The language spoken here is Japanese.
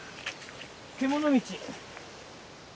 獣道。